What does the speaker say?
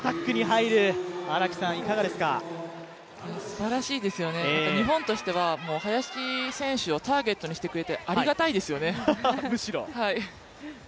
すばらしいですよね、日本としては林選手をターゲットにしてくれてありがたいですよね。